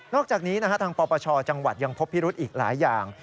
อกจากนี้ทางปปชจังหวัดยังพบพิรุธอีกหลายอย่าง